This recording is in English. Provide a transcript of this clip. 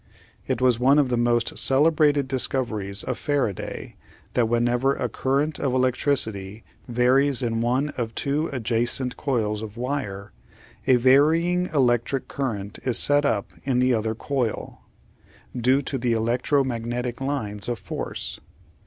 It was one of the most celebrated discoveries of Faraday that whenever a current of electricity varies in one of two adjacent coils of wire, a varying electric current is set up in the other coil, due to electromagnetic lines of force.